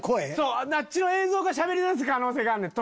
あっちの映像がしゃべりだす可能性があんねん。